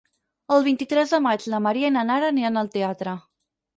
El vint-i-tres de maig na Maria i na Nara aniran al teatre.